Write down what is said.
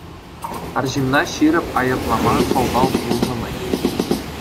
Арҫынна ҫирӗп айӑплама сӑлтав пулнӑ-мӗн.